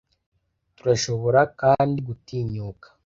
turashobora kandi gutinyuka